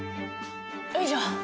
よいしょ。